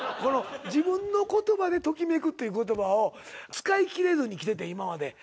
自分の言葉でときめくっていう言葉を使い切れずにきてて今まで。